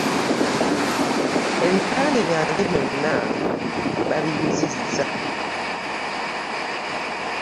Ebipande byange byonna baabiyuzizza?